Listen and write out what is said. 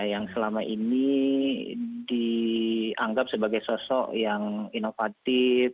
yang selama ini dianggap sebagai sosok yang inovatif